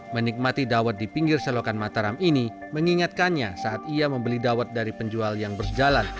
menikmati dawet di pinggir selokan mataram ini mengingatkannya saat ia membeli dawet dari penjual yang berjalan